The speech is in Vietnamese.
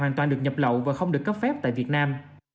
đây là mặt hàng được nhập lậu và không được cấp phép tại việt nam